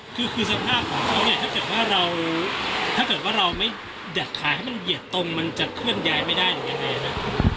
คือสภาพของเขาเนี่ยถ้าเกิดว่าเราไม่จัดขายให้มันเหยียดตรงมันจะเคลื่อนย้ายไม่ได้อย่างไรนะ